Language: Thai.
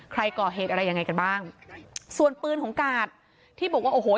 ใครก่อเหตุอะไรยังไงกันบ้างส่วนปืนของกาดที่บอกว่าโอ้โห